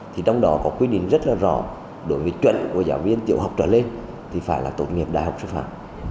trong đó có quy định rất rõ đối với chuẩn của giáo viên tiểu học trở lên thì phải là tổng nghiệp đại học sư phạm